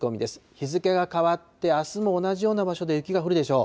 日付が変わってあすも同じような場所で雪が降るでしょう。